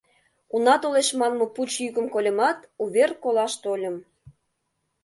— Уна толеш манме пуч йӱкым кольымат, увер колаш тольым.